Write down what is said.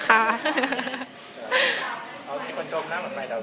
เอาให้คนชมนะ